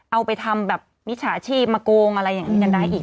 เอาไปทำแบบมิจฉาชีพมาโกงอะไรอย่างนี้กันได้อีก